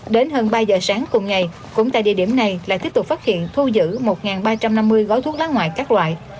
đến hơn ba giờ sáng cùng ngày cũng tại địa điểm này lại tiếp tục phát hiện thu giữ một ba trăm năm mươi gói thuốc lá ngoại các loại